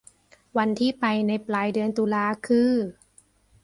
วันที่ไปในปลายเดือนตุลาคือ